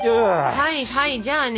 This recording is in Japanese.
はいはいじゃあね